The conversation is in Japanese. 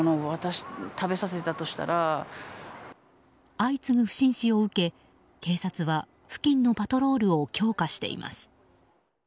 相次ぐ不審死を受け、警察は付近のパトロールを強化しています。